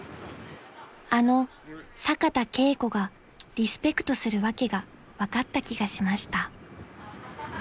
［あの坂田佳子がリスペクトする訳が分かった気がしました］